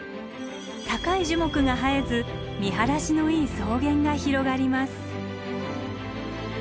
高い樹木が生えず見晴らしのいい草原が広がります。